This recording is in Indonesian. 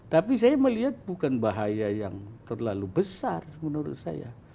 tapi saya melihat bukan bahaya yang terlalu besar menurut saya